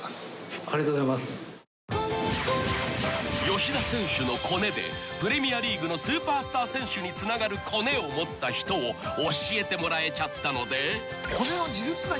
［吉田選手のコネでプレミアリーグのスーパースター選手につながるコネを持った人を教えてもらえちゃったので］